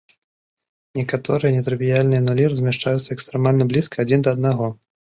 Некаторыя нетрывіяльныя нулі размяшчаюцца экстрэмальна блізка адзін да аднаго.